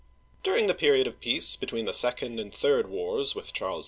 During the period of peace between the second and third wars with Charles V.